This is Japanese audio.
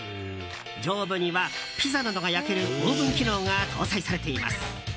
上部にはピザなどが焼けるオーブン機能が搭載されています。